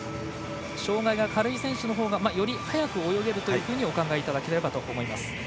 障がいが軽い選手のほうがより早く泳げるというふうにお考えいただければと思います。